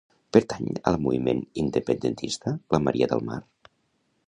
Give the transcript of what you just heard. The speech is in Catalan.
Pertany al moviment independentista la Maria del Mar?